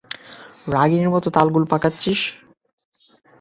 রাঘিনীর মত তালগোল পাকাচ্ছিস।